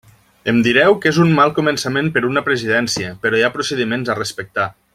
Em direu que és un mal començament per una presidència, però hi ha procediments a respectar.